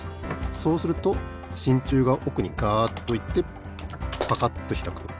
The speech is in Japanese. そうするとしんちゅうがおくにガッといってパカッとひらくと。